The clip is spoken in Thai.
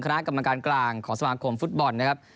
คณะกรรมการกลางของสมาคมฟุตบอลนะครับ